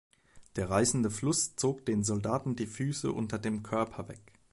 Der reißende Fluss zog den Soldaten die Füße unter dem Körper weg.